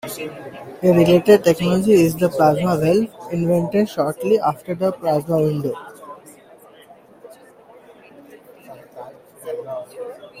A related technology is the plasma valve, invented shortly after the plasma window.